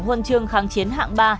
huân chương kháng chiến hạng ba